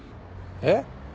えっ？